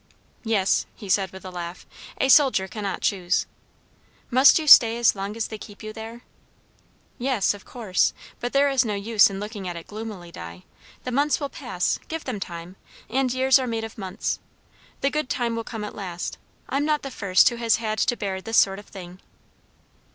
"Yes," he said with a laugh. "A soldier cannot choose." "Must you stay as long as they keep you there?" "Yes, of course. But there is no use in looking at it gloomily, Di. The months will pass, give them time; and years are made of months. The good time will come at last. I'm not the first who has had to bear this sort of thing."